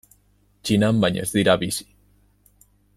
Txinan baino ez dira bizi.